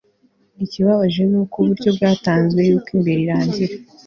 ikibabaje ni uko ibiryo byatanzwe mbere yuko imbeho irangira